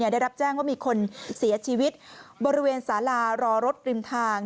ได้รับแจ้งว่ามีคนเสียชีวิตบริเวณสารารอรถริมทาง